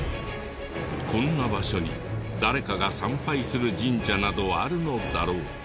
こんな場所に誰かが参拝する神社などあるのだろうか？